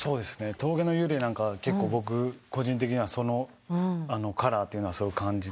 『峠の幽霊』なんかは結構僕個人的にはそのカラーというのはすごく感じて。